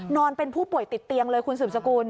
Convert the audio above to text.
นอนเป็นผู้ป่วยติดเตียงเลยคุณศูนย์สกุล